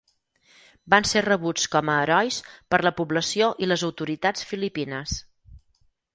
Van ser rebuts com a herois per la població i les autoritats filipines.